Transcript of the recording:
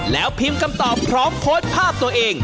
แล้วพิมพ์คำตอบพร้อมโพสต์ภาพตัวเอง